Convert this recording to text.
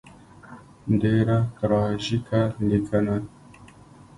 ډېره تراژیکه لیکنه.